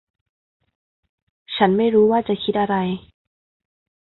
ฉันไม่รู้ว่าจะคิดอะไร